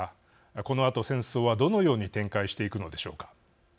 このあと戦争はどのように展開していくのでしょうか。